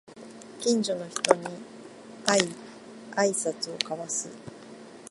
近所の人に会いあいさつを交わす